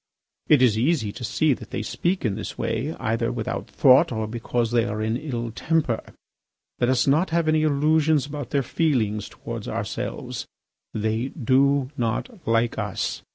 It is easy to see that they speak in this way either without thought or because they are in an ill temper. Let us not have any illusions about their feelings towards ourselves. They do not like us.